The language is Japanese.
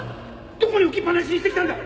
どこに置きっ放しにしてきたんだ